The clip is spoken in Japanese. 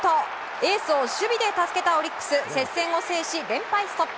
エースを守備で助けたオリックス接戦を制し連敗ストップ。